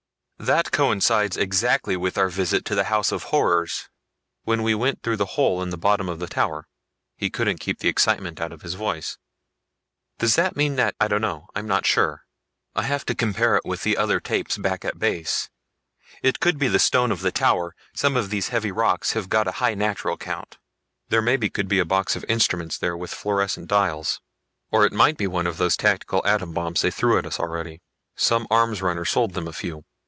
"That coincides exactly with our visit to the house of horrors! When we went through the hole in the bottom of the tower!" He couldn't keep the excitement out of his voice. "Does it mean that...." "I don't know. I'm not sure. I have to compare it with the other tapes back at base. It could be the stone of the tower some of these heavy rocks have got a high natural count. There maybe could be a box of instruments there with fluorescent dials. Or it might be one of those tactical atom bombs they threw at us already. Some arms runner sold them a few."